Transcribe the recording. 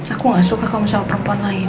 aku gak suka kamu sama perempuan lain